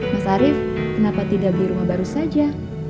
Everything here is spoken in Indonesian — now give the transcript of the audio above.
mas arief kenapa tidak beli rumah baru saja